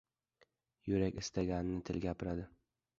• Yurak istaganini til gapiradi.